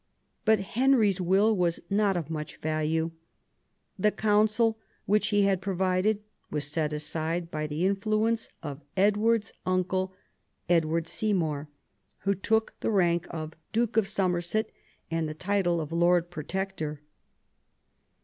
But Henry's will was not of much value. The Council which he had provided was set aside by the influence of Edward's uncle, Edward Seymour, THE YOUTH OF ELIZABETH. g who took the rank of Duke of Somerset and the title of Lord Protector.